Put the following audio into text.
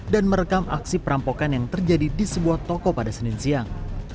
dan merekam aksi perampokan yang terjadi di sebuah toko pada senin siang